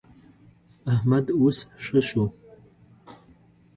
احمد اوس ښه شو.